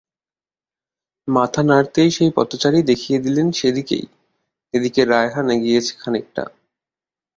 মাথা নাড়তেই সেই পথচারী দেখিয়ে দিলেন সেদিকেই, যেদিকে রায়হান এগিয়েছে খানিকটা।